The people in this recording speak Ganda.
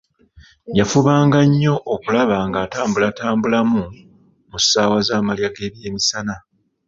Yafubanga nnyo okulaba ng'atambulatambulamu mu ssaawa za malya g'ebyemisana.